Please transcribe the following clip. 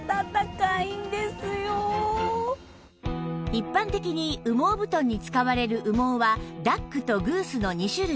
一般的に羽毛布団に使われる羽毛はダックとグースの２種類